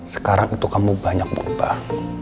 sekarang itu kamu banyak berubah